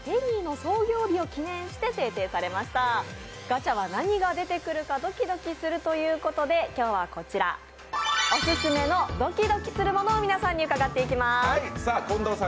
ガチャは何が出てくるかドキドキするということで今日は、オススメのドキドキするものを伺っていきます。